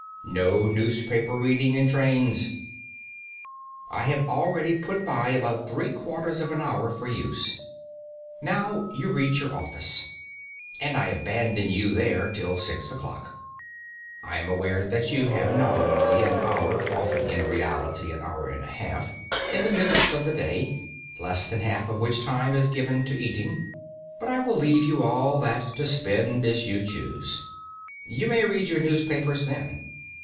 No newspaper reading in trains! I have already "put by" about three quarters of an hour for use. Now you reach your office. And I abandon you there till six o'clock. I am aware that you have nominally an hour (often in reality an hour and a half) in the midst of the day, less than half of which time is given to eating. But I will leave you all that to spend as you choose. You may read your newspapers then.